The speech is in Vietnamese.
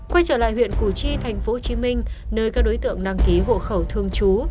quay trở lại huyện củ chi tp hcm nơi các đối tượng đăng ký hộ khẩu thương chú